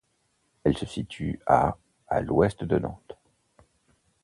Elle se situe à à l'ouest de Nantes.